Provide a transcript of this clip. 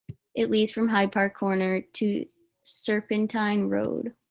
It leads from Hyde Park Corner to Serpentine Road.